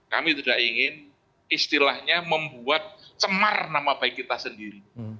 kami tidak ingin istilahnya membuat cemar nama baik kita sendiri